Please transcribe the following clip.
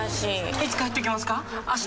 いつ帰ってきますか？